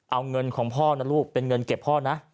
เอาเงินของพ่อนะลูกเป็นเงินเก็บพ่อนะ